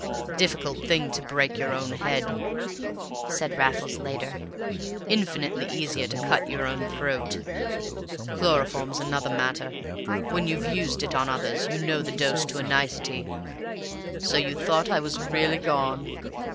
"Difficult thing to break your own head," said Raffles later; "infinitely easier to cut your own throat. Chloroform's another matter; when you've used it on others, you know the dose to a nicety. So you thought I was really gone?